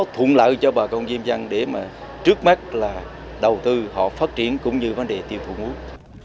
thuận lợi cho bà con diêm dân để mà trước mắt là đầu tư họ phát triển cũng như vấn đề tiêu thụ muối